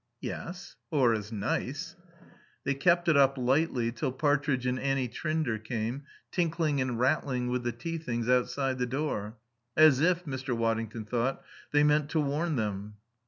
"Yes. Or as nice." They kept it up, lightly, till Partridge and Annie Trinder came, tinkling and rattling with the tea things outside the door. As if, Mr. Waddington thought, they meant to warn them.